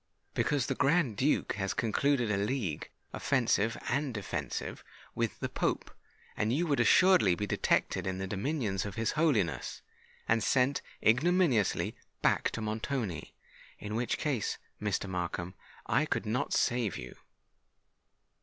"Because the Grand Duke has concluded a league, offensive and defensive, with the Pope; and you would assuredly be detected in the dominions of his Holiness, and sent ignominiously back to Montoni—in which case, Mr. Markham, I could not save you."